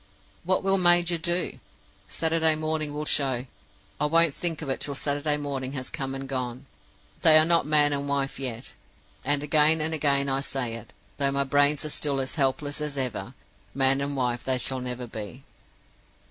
"What will the major do? Saturday morning will show. I won't think of it till Saturday morning has come and gone. They are not man and wife yet; and again and again I say it, though my brains are still as helpless as ever, man and wife they shall never be.